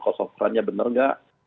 kos operannya benar nggak